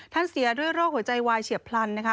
เสียด้วยโรคหัวใจวายเฉียบพลันนะคะ